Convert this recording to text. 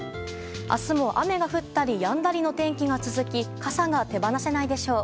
明日も雨が降ったりやんだりの天気が続き傘が手放せないでしょう。